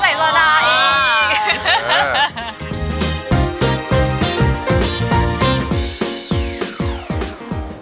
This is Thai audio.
เดี๋ยวใส่โซดาอีก